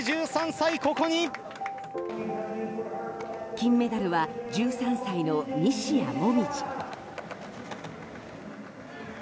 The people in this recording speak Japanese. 金メダルは１３歳の西矢椛。